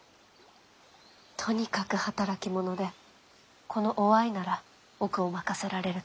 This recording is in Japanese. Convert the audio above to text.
とにかく働き者でこの於愛なら奥を任せられると。